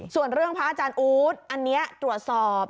ส่วนเรื่องพระอาจารย์อู๊ดอันนี้ตรวจสอบ